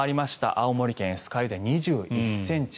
青森県酸ケ湯で２１ｃｍ。